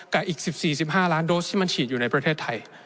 กับอีก๑๔๑๕ล้านโดสที่มันฉีดอยู่ในประเทศไทย